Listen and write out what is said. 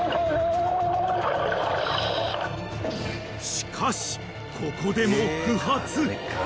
［しかしここでも］